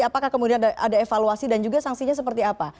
apakah kemudian ada evaluasi dan juga sanksinya seperti apa